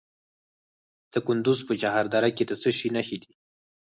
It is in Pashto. د کندز په چهار دره کې د څه شي نښې دي؟